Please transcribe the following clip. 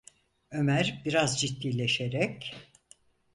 Ömer biraz ciddileşerek: